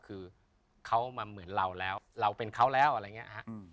คือเขามาเหมือนเราแล้วเราเป็นเขาแล้วอะไรอย่างนี้ฮะ